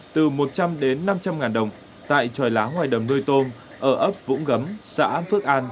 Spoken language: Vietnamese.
từ một trăm linh đến năm trăm linh ngàn đồng tại tròi lá ngoài đầm nuôi tôm ở ấp vũng xã phước an